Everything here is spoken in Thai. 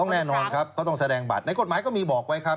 แน่นอนครับก็ต้องแสดงบัตรในกฎหมายก็มีบอกไว้ครับ